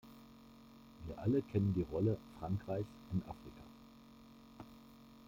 Wir alle kennen die Rolle Frankreichs in Afrika.